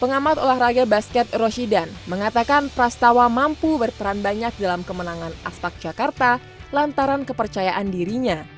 pengamat olahraga basket roshidan mengatakan prastawa mampu berperan banyak dalam kemenangan aspak jakarta lantaran kepercayaan dirinya